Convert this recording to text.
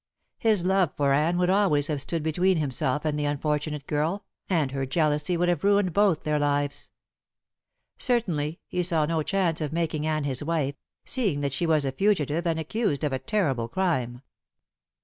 His love for Anne would always have stood between himself and the unfortunate girl, and her jealousy would have ruined both their lives. Certainly he saw no chance of making Anne his wife, seeing that she was a fugitive and accused of a terrible crime.